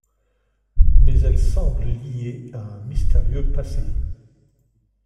Mais elle semble liée à un mystérieux passé.